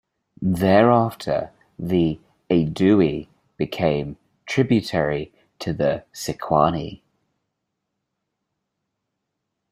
Thereafter, the Aedui became tributary to the Sequani.